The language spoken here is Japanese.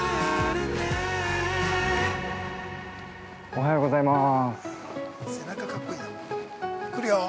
◆おはようございまーす。